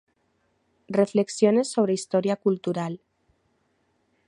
Reflexiones sobre historia cultural".